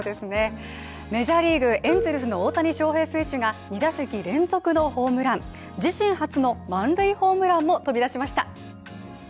メジャーリーグエンゼルスの大谷翔平選手が２打席連続のホームラン、自身初の満塁ホームランも飛び出しました。